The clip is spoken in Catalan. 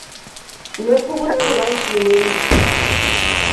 No he pogut trobar els llumins.